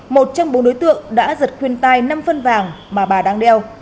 một trong bốn đối tượng đã giật khuyên tai năm phân vàng mà bà đang đeo